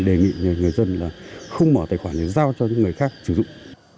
đề nghị người dân là không mở tài khoản để giao cho những người khác sử dụng